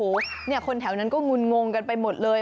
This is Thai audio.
อ๋อโอ้โฮคนแถวนั้นก็งุลงงกันไปหมดเลย